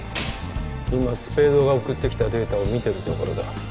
今スペードが送ってきたデータを見てるところだ